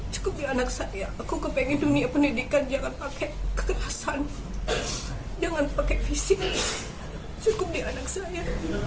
cukup di anak saya aku kepengen dunia pendidikan jangan pakai kekerasan jangan pakai fisik cukup di anak saya